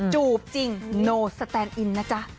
จูบจริงโนสแตนอินนะจ๊ะ